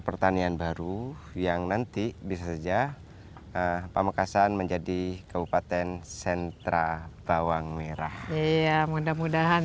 pertanian baru yang nanti bisa saja pamekasan menjadi kabupaten sentra bawang merah iya mudah mudahan